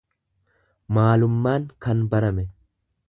maalummaan kan barame.